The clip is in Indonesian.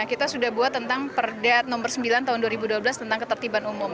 kita sudah buat tentang perda nomor sembilan tahun dua ribu dua belas tentang ketertiban umum